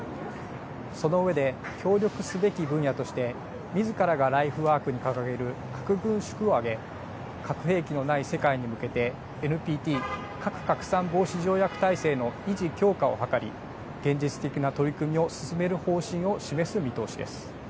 その上で、協力すべき分野として、みずからがライフワークに掲げる核軍縮を挙げ、核兵器のない世界に向けてＮＰＴ・核拡散防止条約体制の維持・強化を図り、現実的な取り組みを進める方針を示す見通しです。